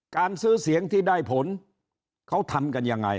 การซื้อเสียงที่ได้ผลเขาทำกันยังไง